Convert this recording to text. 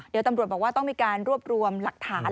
เดี๋ยวตำรวจบอกว่าต้องมีการรวบรวมหลักฐาน